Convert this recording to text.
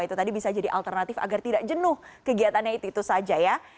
itu tadi bisa jadi alternatif agar tidak jenuh kegiatannya itu itu saja ya